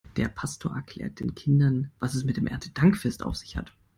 Der Pastor erklärt den Kindern, was es mit dem Erntedankfest auf sich hat.